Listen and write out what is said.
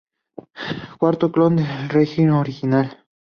Cuarto clon de la Rei original.